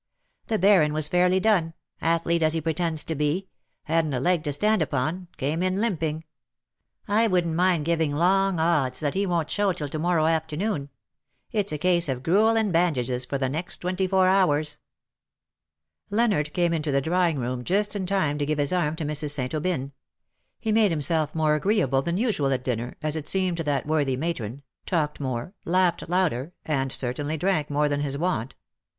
The Baron was fairly done — athlete as he pretends to be — hadn^t a leg to stand u^on — came in limping. 1 wouldn't miud giving long odds that he won't show till to morrow afternoon. It's a case of gruel and bandages for the next twenty four hours." Leonard came into the drawing room just in time to give his arm to Mrs. St. Aubyn. He made himself more agreeable than usual at dinner, as it seemed to that worthy matron — talked more — laughed louder — and certainly drank more than his wont.